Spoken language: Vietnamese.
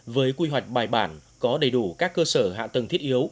với quy hoạch bài bản có đầy đủ các cơ sở hạ tầng thiết yếu